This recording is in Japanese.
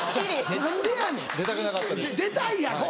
出たいやろ？